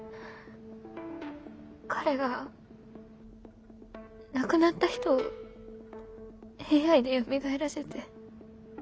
彼が亡くなった人をＡＩでよみがえらせて。